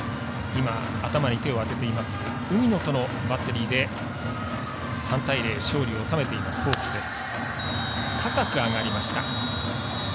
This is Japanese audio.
頭に手を当てていました海野とのバッテリーで３対０勝利を収めていますホークスです。